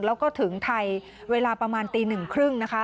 แล้วก็ถึงไทยเวลาประมาณตีหนึ่งครึ่งนะคะ